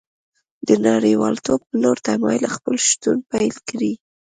د نړیوالتوب په لور تمایل خپل شتون پیل کړی